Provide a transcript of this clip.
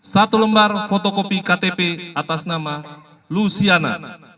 satu lembar fotokopi ktp atas nama luciana